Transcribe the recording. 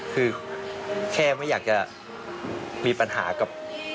คือแค่ไม่อยากจะมีปัญหากับ